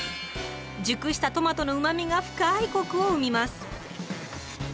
熟したトマトのうまみが深いコクを生みます。